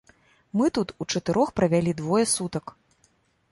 Мы тут учатырох правялі двое сутак.